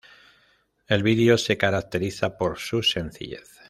El vídeo se caracteriza por su sencillez.